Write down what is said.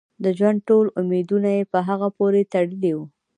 د ژوند ټول امیدونه یې په هغه پورې تړلي وو.